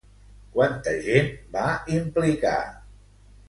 Quanta gent va implicar?